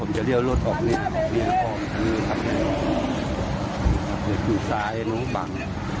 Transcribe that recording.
ผมจะเลี้ยวรถออกนี่ออกนี่ครับอยู่ซ้ายน้องบัง